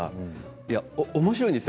おもしろいんですよ